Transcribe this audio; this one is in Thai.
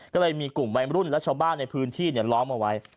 ก็เลยมีกลุ่มวัยรุ่นและชาวบ้านในพื้นที่ล้อมเอาไว้